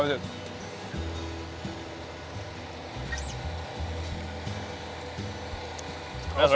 ini kuisin indonesia